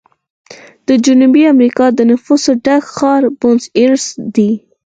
د جنوبي امریکا د نفوسو ډک ښار بونس ایرس دی.